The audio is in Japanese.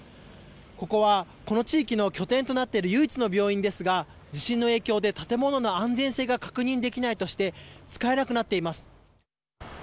ここはこの地域の拠点となっている唯一の病院ですが地震の影響で建物の安全性が確認できないとして使えなくなっています。